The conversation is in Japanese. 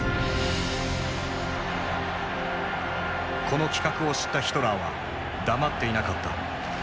この企画を知ったヒトラーは黙っていなかった。